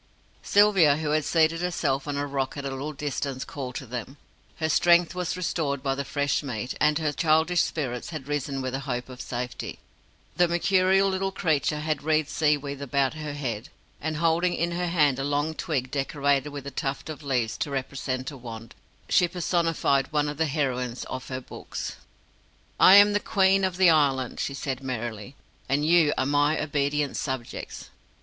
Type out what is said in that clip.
Sylvia, who had seated herself on a rock at a little distance, called to them. Her strength was restored by the fresh meat, and her childish spirits had risen with the hope of safety. The mercurial little creature had wreathed seaweed about her head, and holding in her hand a long twig decorated with a tuft of leaves to represent a wand, she personified one of the heroines of her books. "I am the Queen of the Island," she said merrily, "and you are my obedient subjects.